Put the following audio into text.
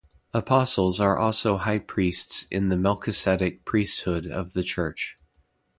Apostles are also high priests in the Melchisedec priesthood of the church.